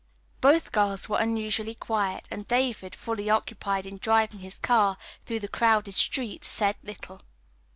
Both girls were unusually quiet, and David, fully occupied in driving his car through the crowded streets, said little.